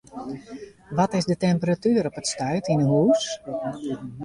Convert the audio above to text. Wat is de temperatuer op it stuit yn 'e hûs?